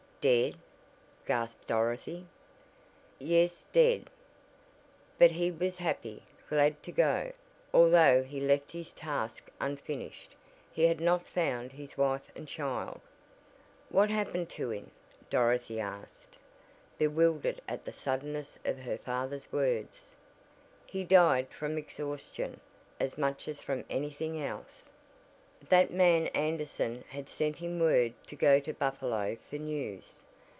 "Dead!" gasped Dorothy. "Yes, dead. But he was happy, glad to go, although he left his task unfinished he had not found his wife and child." "What happened to him?" Dorothy asked, bewildered at the suddenness of her father's words. "He died from exhaustion as much as from any thing else. That man Anderson had sent him word to go to Buffalo for 'news.'